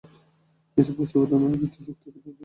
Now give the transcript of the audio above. এসব পুষ্টি উপাদান অনেক জটিল রোগ থেকে আমাদেরকে রক্ষা করে থাকে।